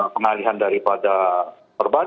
pengalian daripada perban